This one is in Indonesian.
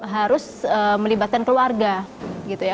harus melibatkan keluarga gitu ya